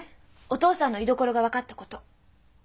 お父さんの居所が分かったこと。